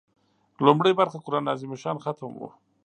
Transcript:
لومړۍ برخه قران عظیم الشان ختم و.